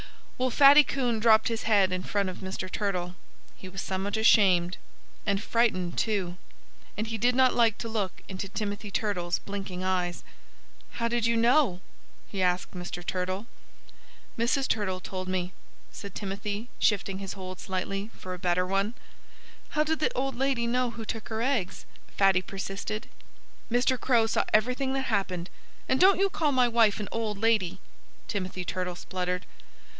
Well, Fatty Coon dropped his head in front of Mr. Turtle. He was somewhat ashamed, and frightened, too. And he did not like to look into Timothy Turtle's blinking eyes. "How did you know?" he asked Mr. Turtle. "Mrs. Turtle told me," said Timothy, shifting his hold slightly, for a better one. "How did the old lady know who took her eggs?" Fatty persisted. "Mr. Crow saw everything that happened and don't you call my wife an old lady!" Timothy Turtle spluttered.